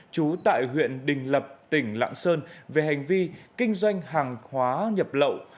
trú tại huyện đình lập tỉnh lạng sơn về hành vi kinh doanh hàng hóa nhập lậu